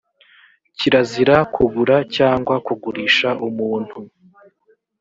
kirazira kugura cg kugurisha umuntu